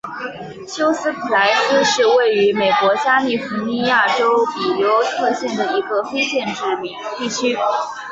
休斯普莱斯是位于美国加利福尼亚州比尤特县的一个非建制地区。